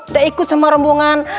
udah ikut sama rombongan